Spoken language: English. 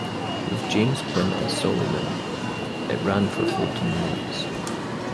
With James Quin as Solyman, it ran for fourteen nights.